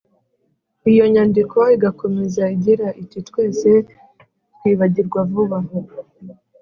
iyo nyandiko igakomeza igira iti: “twese twibagirwa vuba.